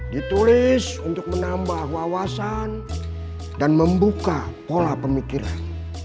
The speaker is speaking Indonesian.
ditulis untuk menambah wawasan dan membuka pola pemikiran